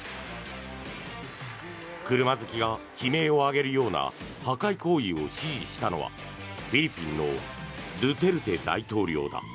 車好きが悲鳴を上げるような破壊行為を指示したのはフィリピンのドゥテルテ大統領だ。